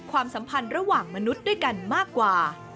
ความสัมพันธ์ระหว่างมนุษย์ด้วยกันมากกว่า